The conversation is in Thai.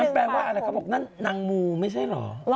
แปลว่าอะไรเขาบอกนั่นนางมูไม่ใช่เหรอ